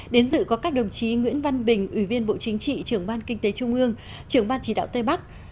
đến dự có các đồng chí nguyễn văn bình ủy viên bộ chính trị trưởng ban kinh tế trung ương trưởng ban chỉ đạo tây bắc